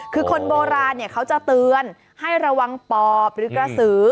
คือคนโบราณเขาจะเตือนให้ระวังปอบหรือกระสือ